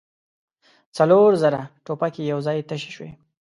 څلور زره ټوپکې يو ځای تشې شوې.